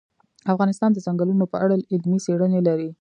افغانستان د ځنګلونه په اړه علمي څېړنې لري.